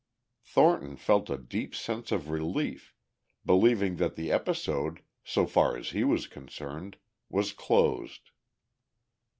Thornton felt a deep sense of relief, believing that the episode, so far as he was concerned, was closed.